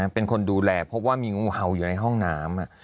เป็นคนดูแลพบว่ามีงูเห่าอยู่ในห้องน้ำ